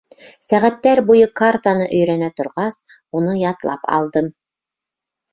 Сәғәттәр буйы картаны өйрәнә торғас, уны ятлап алдым.